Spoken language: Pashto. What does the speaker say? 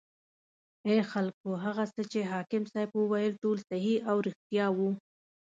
ای خلکو هغه څه چې حاکم صیب وویل ټول صحیح او ریښتیا و.